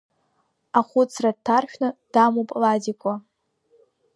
Ахәыцра дҭаршәны дамоуп Ладикәа.